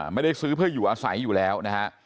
ไม่ได้ซื้อเพื่ออยู่อาศัยอยู่แล้วนะฮะ